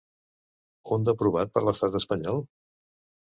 Un d’aprovat per l’estat espanyol?